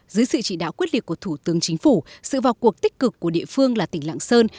dưới sự chỉ đạo quyết liệt của thủ tướng chính phủ sự vào cuộc tích cực của địa phương là tỉnh lạng sơn